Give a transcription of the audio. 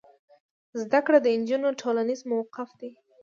زده کړه د نجونو ټولنیز موقف لوړوي.